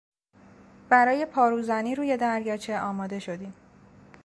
برای پاروزنی روی دریاچه آماده شدیم.